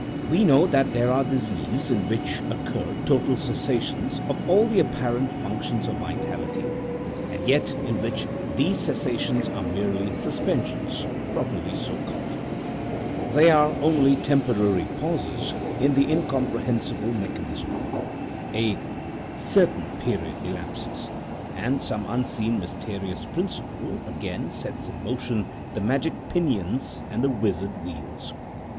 We know that there are diseases in which occur total cessations of all the apparent functions of vitality, and yet in which these cessations are merely suspensions, properly so called. They are only temporary pauses in the incomprehensible mechanism. A certain period elapses, and some unseen mysterious principle again sets in motion the magic pinions and the wizard wheels.